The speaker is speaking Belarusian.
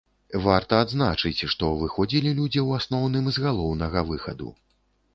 Варта адзначыць, што выходзілі людзі ў асноўным з галоўнага выхаду.